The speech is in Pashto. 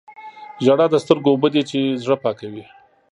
• ژړا د سترګو اوبه دي چې زړه پاکوي.